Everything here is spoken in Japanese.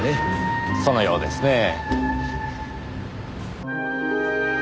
そのようですねぇ。